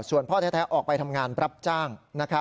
ส่วนพ่อแท้ออกไปทำงานรับจ้าง